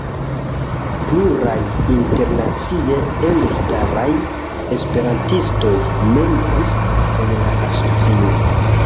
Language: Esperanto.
Pluraj internacie elstaraj esperantistoj membris en la asocio.